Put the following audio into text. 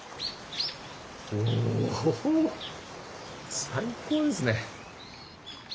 おお最高ですね。